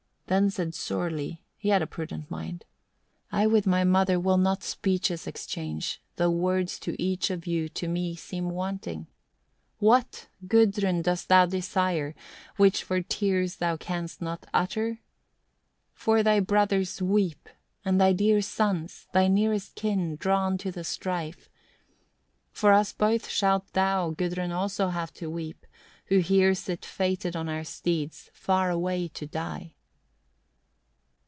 9. Then said Sorli he had a prudent mind "I with my mother will not speeches exchange: though words to each of you to me seem wanting. What, Gudrun! dost thou desire, which for tears thou canst not utter? 10. "For thy brothers weep, and thy dear sons, thy nearest kin, drawn to the strife: for us both shalt thou, Gudrun! also have to weep, who here sit fated on our steeds, far away to die."